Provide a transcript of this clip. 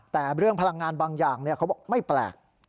แต่เรื่องพลังงานบางอย่างเขาบอกไม่แปลก